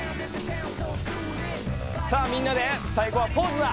さあみんなで最後はポーズだ！